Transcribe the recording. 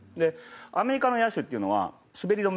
アメリカの野手っていうのは滑り止め